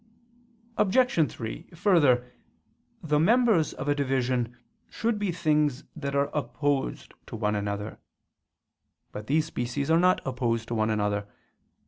Obj. 3: Further, the members of a division should be things that are opposed to one another. But these species are not opposed to one another.